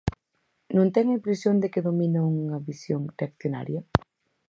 Non ten a impresión de que domina unha visión reaccionaria?